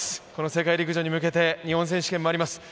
世界陸上に向けて日本選手権もあります